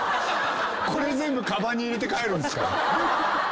これ全部カバンに入れて帰るんすか